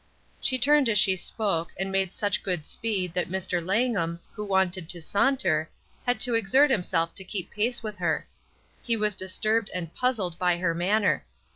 She turned as she spoke, and made such good speed that Mr. Langham, who wanted to saunter, had to exert himself to keep pace with her. He was disturbed and puzzled by her manner.